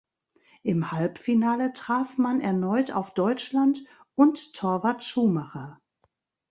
Im Halbfinale traf man erneut auf Deutschland und Torwart Schumacher.